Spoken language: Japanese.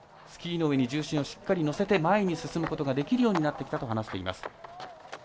スキーの上に重心をしっかり乗せて前に進むことができるようになってきたと話しています。